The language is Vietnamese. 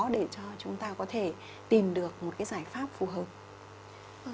để cho chúng ta có thể tìm được một cái giải pháp phù hợp